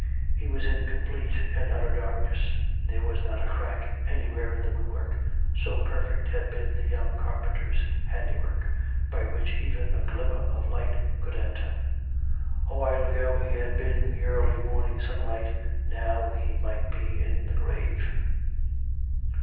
He was in complete and utter darkness. There was not a crack anywhere in the woodwork (so perfect had been the young carpenter's handiwork) by which even a glimmer of light could enter. A while ago he had been in the early morning sunlight; now he might be in the grave.